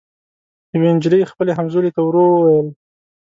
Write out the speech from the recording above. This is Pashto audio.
یوې نجلۍ خپلي همزولي ته ورو ووېل